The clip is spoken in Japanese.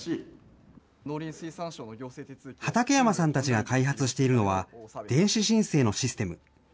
畠山さんたちが開発しているのは、電子申請のシステム。